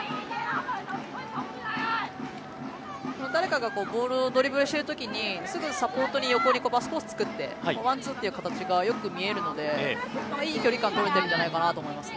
誰かがボールをドリブルしているときにすぐにサポートに横にパスコース作ってワンツーという形がよく見えるのでいい距離感取れていると思います。